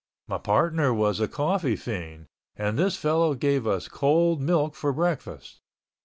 My partner was a coffee fiend, and this fellow gave us cold milk for breakfast.